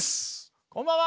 こんばんは！